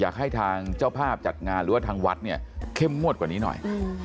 อยากให้ทางเจ้าภาพจัดงานหรือว่าทางวัดเนี่ยเข้มงวดกว่านี้หน่อย